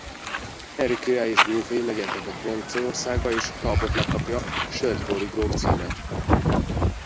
Henrik király és grófjai megérkeznek Franciaországba és Talbot megkapja a Shrewsbury gróf címet.